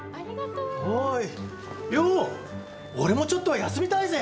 俺もちょっとは休みたいぜ。